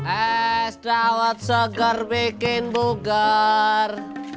as dawat seger bikin buger